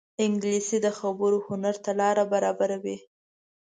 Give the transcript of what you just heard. انګلیسي د خبرو هنر ته لاره برابروي